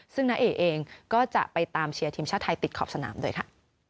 ซึ่งณเอกเองก็จะไปตามเชียร์ทีมชาติไทยติดขอบสนามด้วยค่ะ